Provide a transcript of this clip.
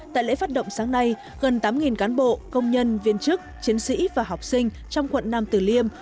tại lễ phát động sáng nay gần tám cán bộ công nhân viên chức chiến sĩ và học sinh trong quận nam tử liêm